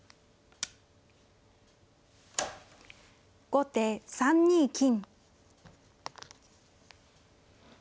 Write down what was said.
後手３二金。